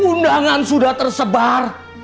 undangan sudah tersebar